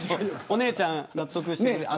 お姉ちゃん納得してくれる。